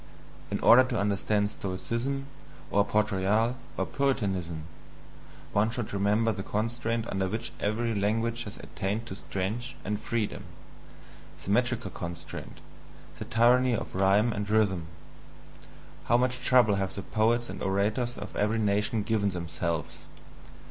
In order to understand Stoicism, or Port Royal, or Puritanism, one should remember the constraint under which every language has attained to strength and freedom the metrical constraint, the tyranny of rhyme and rhythm. How much trouble have the poets and orators of every nation given themselves!